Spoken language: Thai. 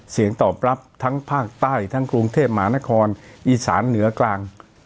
เสียงตอบรับทั้งภาคใต้ทั้งกรุงเทพหมานครอีสานเหนือกลาง